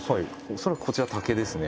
「恐らくこちらは竹ですね」